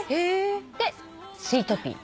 でスイートピー。